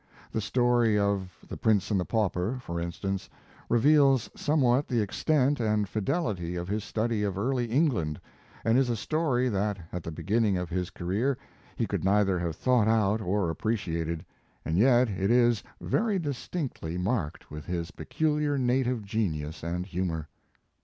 The story of The Prince and the Pauper," for instance, re veals somewhat the extent and fidelity of his study of early England, and is a story that, at the beginning of his career, he could neither have thought out or appre ciated, and yet it is very distinctively Mark Twain marked with his peculiar native genius and humor.